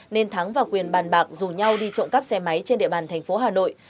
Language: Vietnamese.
nên thắng và quyền bàn bạc rủ nhau đi trộm cắp xe máy trên địa bàn thành phố hà nội